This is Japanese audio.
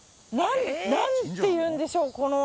何ていうんでしょう。